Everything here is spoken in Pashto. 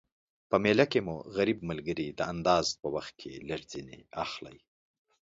په میله کی مو غریب ملګري د انداز په وخت کي لږ ځیني اخلٸ